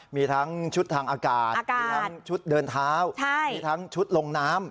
มีทั้งชุดทางอากาศมีทั้งชุดเดินเท้ามีทั้งชุดลงน้ำ